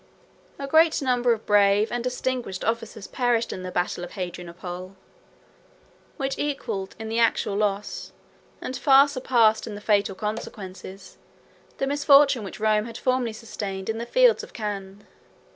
A great number of brave and distinguished officers perished in the battle of Hadrianople, which equalled in the actual loss, and far surpassed in the fatal consequences, the misfortune which Rome had formerly sustained in the fields of Cannæ.